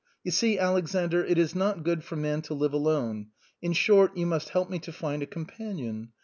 You see, Alexander, it is not good for man to live alone ; in short, you must help me to find a companion.